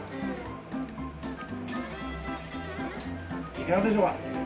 いかがでしょうか？